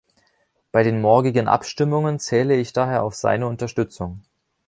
Bei den morgigen Abstimmungen zähle ich daher auf seine Unterstützung.